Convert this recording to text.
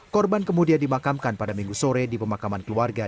korban kemudian dimakamkan pada minggu sore di pemakaman keluarga